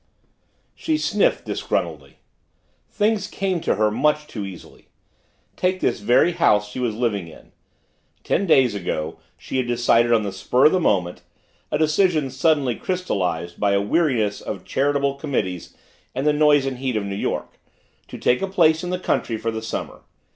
She sniffed disgruntledly. Things came to her much too easily. Take this very house she was living in. Ten days ago she had decided on the spur of the moment a decision suddenly crystallized by a weariness of charitable committees and the noise and heat of New York to take a place in the country for the summer.